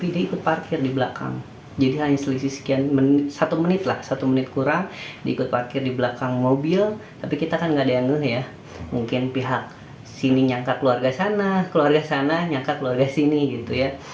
di sana nyangka keluarga sini gitu ya